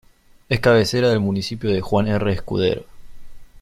Es cabecera del municipio de Juan R. Escudero.